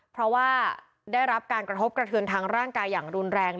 เพราะว่าได้รับการกระทบกระเทือนทางร่างกายอย่างรุนแรง